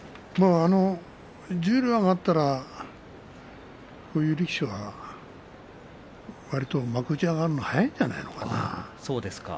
十両に上がったらこういう力士はわりと幕内に上がるのが早いんじゃないかな？